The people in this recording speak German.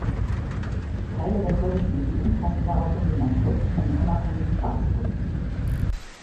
Teile der kurdischen Eliten fassten daraufhin den Entschluss, einen unabhängigen Staat zu gründen.